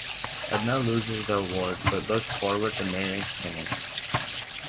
Edna loses the award, but looks forward to marrying Skinner.